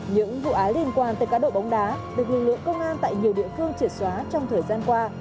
những vụ án liên quan tới cá độ bóng đá được lực lượng công an tại nhiều địa phương triệt xóa trong thời gian qua